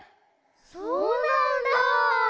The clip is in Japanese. そうなんだ。